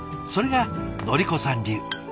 それがのり子さん流。